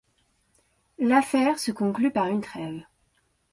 L’affaire se conclut par une trêve.